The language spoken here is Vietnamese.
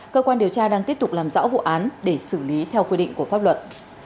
cơ quan điều tra đang tiếp tục làm rõ vụ án để xử lý theo quy định của pháp luật